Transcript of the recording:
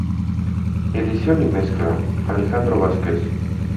Edición y mezcla: Alejandro Vazquez.